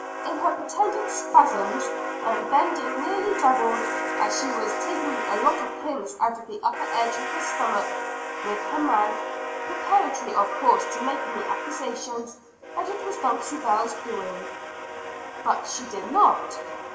"In her pretended spasms, when bending nearly double, she was taking a lot of pins out of the upper edge of her stomacher with her mouth, preparatory of course, to making the accusation that it was Dulcibel's doings." "But she did not?"